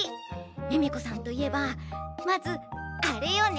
ミミコさんといえばまずあれよね。